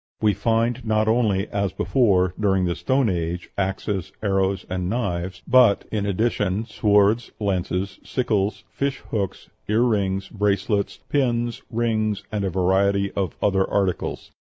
We find not only, as before, during the Stone Age, axes, arrows, and knives, but, in addition, swords, lances, sickles, fish hooks, ear rings, bracelets, pins, rings, and a variety of other articles."